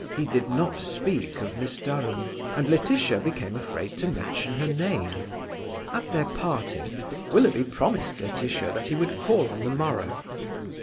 He did not speak of Miss Durham, and Laetitia became afraid to mention her name. At their parting, Willoughby promised Laetitia that he would call on the morrow.